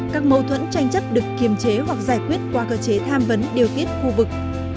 các mâu thuẫn tranh chấp được kiềm chế hoặc giải quyết qua cơ chế tham vấn điều tiết khu vực